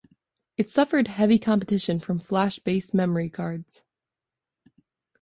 It suffered heavy competition from flash-based memory cards.